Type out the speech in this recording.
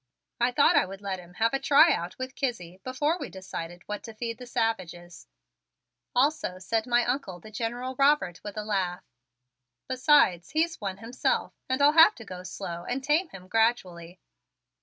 "I thought I would let him have a try out with Kizzie before we decided what to feed the savages," also said my Uncle, the General Robert, with a laugh. "Besides, he's one himself and I'll have to go slow and tame him gradually."